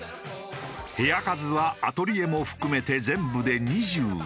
部屋数はアトリエも含めて全部で２５。